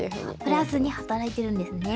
プラスに働いてるんですね。